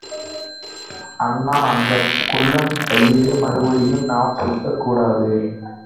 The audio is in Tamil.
அண்ணா, அந்தக் குள்ளன் கையிலே மறுபடியும் நாம் சிக்கக் கூடாது.